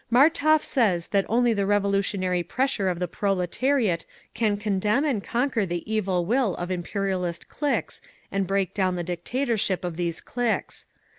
"Martov says that only the revolutionary pressure of the proletariat can condemn and conquer the evil will of imperialist cliques and break down the dictatorship of these cliques….